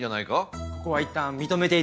ここはいったん認めて頂いたほうが。